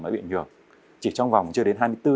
mà bị ảnh hưởng chỉ trong vòng chưa đến hai mươi bốn h